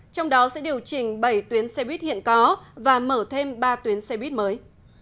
trong đó sẽ điều chỉnh bảy tuyến xe buýt hiện có và mở thêm ba tuyến xe buýt mới